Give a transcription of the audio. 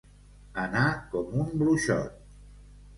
Anar com un bruixot.